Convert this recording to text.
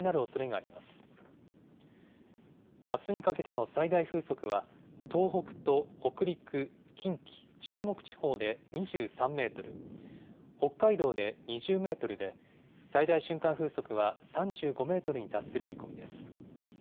あすにかけての最大風速は東北と北陸、近畿、中国地方で２３メートル、北海道で２０メートルで、最大瞬間風速は３５メートルに達する見込みです。